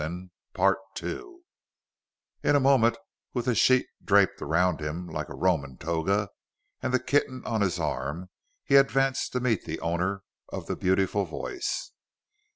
In a moment, with the sheet draped around him like a Roman toga, and the kitten on his arm, he advanced to meet the owner of the beautiful voice.